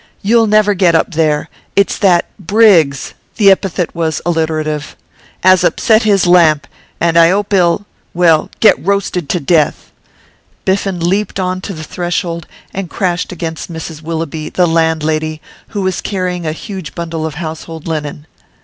'You'll never get up there. It's that Briggs' the epithet was alliterative ''as upset his lamp, and I 'ope he'll well get roasted to death.' Biffen leaped on to the threshold, and crashed against Mrs Willoughby, the landlady, who was carrying a huge bundle of household linen.